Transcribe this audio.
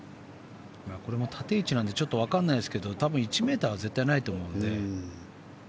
これも縦一なのでわからないですけど多分１ｍは絶対ないと思うので。